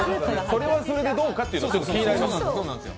それはそれでどうかというの、気になります。